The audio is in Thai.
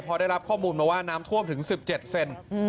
พอได้รับข้อมูลมาว่าน้ำท่วมถึง๑๗เซน